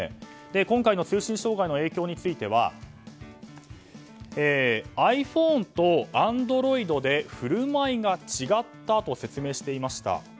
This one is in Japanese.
今回の通信障害の影響についてはｉＰｈｏｎｅとＡｎｄｒｏｉｄで振る舞いが違ったと説明していました。